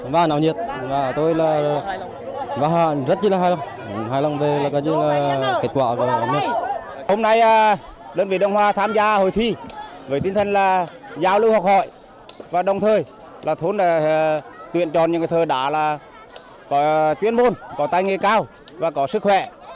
với tinh thần là giao lưu học hỏi và đồng thời là thôn tuyện tròn những cái thơ đá là có chuyên môn có tay nghề cao và có sức khỏe